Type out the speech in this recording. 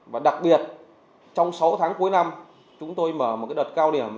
và đặc biệt trong sáu tháng cuối năm chúng tôi mở một đợt cao điểm